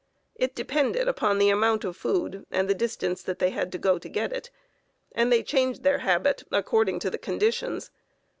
It depended upon the amount of food and the distance that they had to go to get it, and they changed their habit according to the conditions.